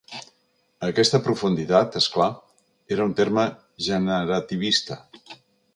Aquesta profunditat, és clar, era un terme generativista.